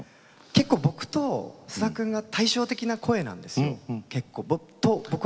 結構僕と菅田君が対照的な声なんですよ。と僕は思ってて。